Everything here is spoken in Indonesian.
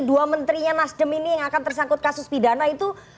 dua menterinya nasdem ini yang akan tersangkut kasus pidana itu